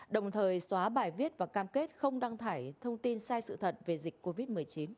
đồng thời xóa bài viết và cam kết không đăng tải thông tin sai sự thật về dịch covid một mươi chín